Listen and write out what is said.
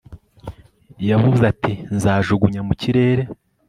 yavuze ati nzajugunya mu kirere